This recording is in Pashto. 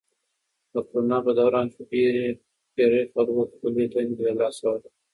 د کرونا په دوران کې ډېری خلکو خپلې دندې له لاسه ورکړې.